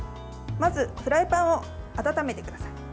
まずフライパンを温めてください。